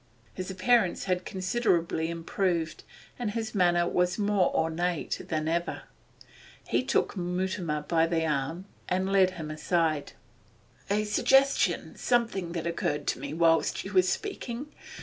His appearance had considerably improved, and his manner was more ornate than ever. He took Mutimer by the arm and led him aside. 'A suggestion something that occurred to me whilst you were speaking.